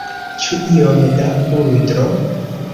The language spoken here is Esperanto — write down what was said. Ĉu iom da pudro?